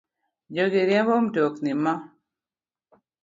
Jogi riembo mtokni ma